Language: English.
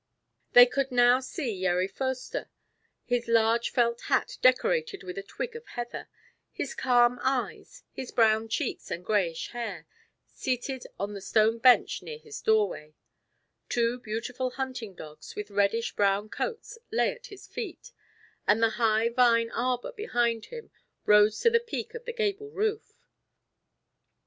They could now see Yeri Foerster, his large felt hat decorated with a twig of heather, his calm eyes, his brown cheeks and grayish hair, seated on the stone bench near his doorway; two beautiful hunting dogs, with reddish brown coats, lay at his feet, and the high vine arbor behind him rose to the peak of the gable roof.